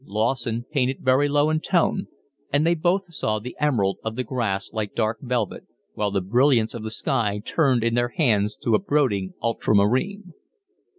Lawson painted very low in tone, and they both saw the emerald of the grass like dark velvet, while the brilliance of the sky turned in their hands to a brooding ultramarine.